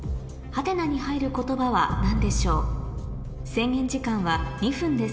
制限時間は２分です